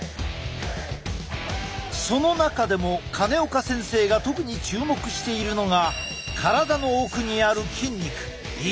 その中でも金岡先生が特に注目しているのが体の奥にある筋肉インナーマッスルなのだ！